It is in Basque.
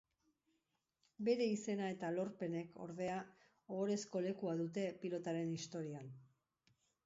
Bere izena eta lorpenek, ordea, ohorezko lekua dute pilotaren historian.